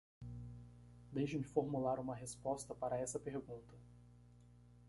Deixe-me formular uma resposta para essa pergunta.